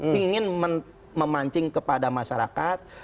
tingin memancing kepada masyarakat